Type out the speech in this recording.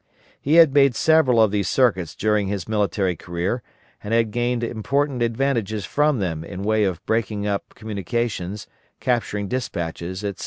He had made several of these circuits during his military career, and had gained important advantages from them in way of breaking up communications, capturing despatches, etc.